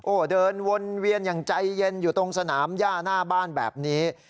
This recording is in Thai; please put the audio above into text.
โอ้โหเดินวนเวียนอย่างใจเย็นอยู่ตรงสนามย่าหน้าบ้านแบบนี้